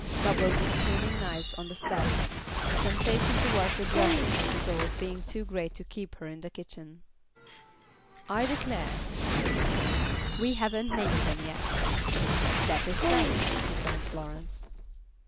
Bubbles was cleaning knives on the steps, the temptation to watch the dressing of the dolls being too great to keep her in the kitchen. "I declare," said Dimple, "we haven't named them yet." "That is so," returned Florence.